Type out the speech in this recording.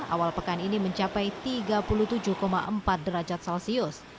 awal pekan ini mencapai tiga puluh tujuh empat derajat celcius